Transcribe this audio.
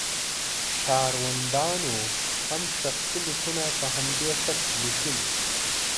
ښاروندانو هم شخصي لیکونه په همدې خط لیکل.